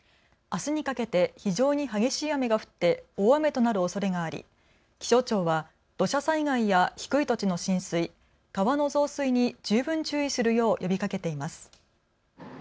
あすにかけて非常に激しい雨が降って大雨となるおそれがあり気象庁は土砂災害や低い土地の浸水、川の増水に十分注意するよう呼びかけています。